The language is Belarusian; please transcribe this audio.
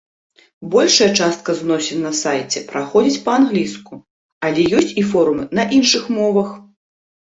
Большая частка зносін на сайце праходзіць па-англійску, але ёсць і форумы на іншых мовах.